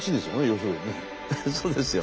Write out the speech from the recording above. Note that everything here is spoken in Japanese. そうですよ。